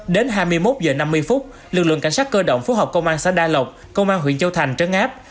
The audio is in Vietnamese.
đến hai mươi một h năm mươi lực lượng cảnh sát cơ động phố học công an xã đa lộc công an huyện châu thành trấn áp